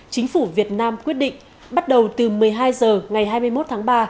chính phủ việt nam quyết định bắt đầu từ một mươi hai h ngày hai mươi một tháng ba